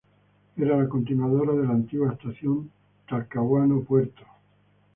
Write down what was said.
Era la continuadora de la antigua estación Talcahuano-Puerto.